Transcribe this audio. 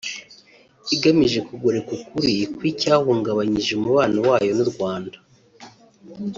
igamije kugoreka ukuri kw’icyahungabanyije umubano wayo n’u Rwanda